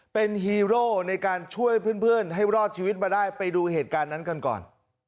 เป็นฮีโร่ในการช่วยเพื่อนให้รอดชีวิตมาได้ไปดูเหตุการณ์นั้นกันก่อน